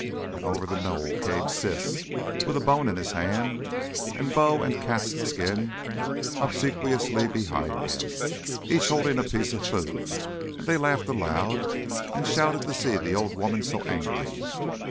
And over the knoll came Siss with a bone in his hand, and Bo and Cat's skin obsequiously behind him, each holding a piece of food, and they laughed aloud and shouted to see the old woman so angry.